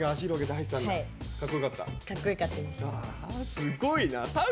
すごいな。